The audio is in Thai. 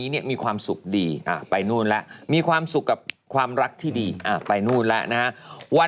เอาอะไรอีกนะ